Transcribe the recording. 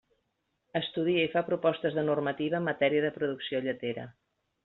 Estudia i fa propostes de normativa en matèria de producció lletera.